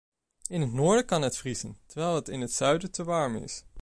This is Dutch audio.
In het noorden kan het vriezen, terwijl het in het zuiden te warm is.